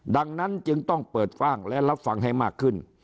ดังนั้นจึงต้องเปิดฟ่างและรับฟังให้มากขึ้น